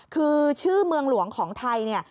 คือชื่อเมืองหลวงของไทยเนี่ย